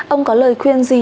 ông có lời khuyên gì